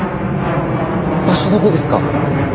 場所どこですか？